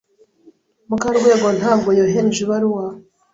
Mukarwego ntabwo yohereje ibaruwa.